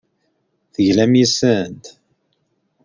Teglam yes-sent.